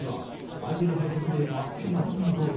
相手の反則で得たペナルティーゴール。